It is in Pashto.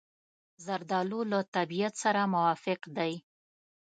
زردالو له طبیعت سره موافق دی.